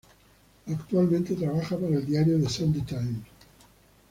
Actualmente trabaja para el diario "The Sunday Times".